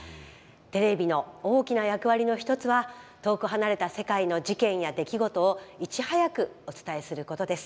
テレビの大きな役割の一つは遠く離れた世界の事件や出来事をいち早くお伝えすることです。